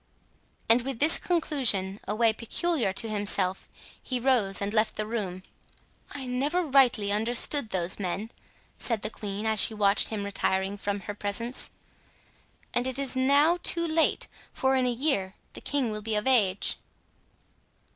And with this conclusion—a way peculiar to himself—he rose and left the room. "I never rightly understood those men," said the queen, as she watched him retiring from her presence; "and it is now too late, for in a year the king will be of age."